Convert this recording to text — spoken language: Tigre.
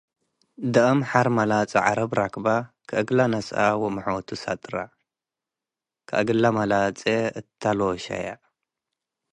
ደአም ሐር መላጹ ዐረብ ረክበ ከእላ ነስአ ወምሖቱ ሰጥረ፡ ከእግለ መላጹ እተ ሎሸየ።